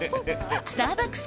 スターバックス